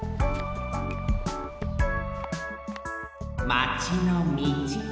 マチのみち